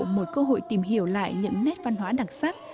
một cơ hội tìm hiểu lại những nét văn hóa đặc sắc